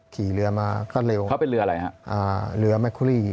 ขี่เรือมาก็เร็วเขาเป็นเรืออะไรฮะอ่าเรือแมคคุรี